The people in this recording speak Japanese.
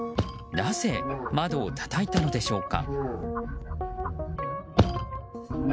なぜ、窓をたたいたのでしょうか。